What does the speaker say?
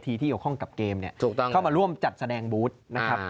ที่เกี่ยวข้องกับเกมเนี่ยเข้ามาร่วมจัดแสดงบูธนะครับ